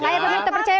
saya pemilu terpercaya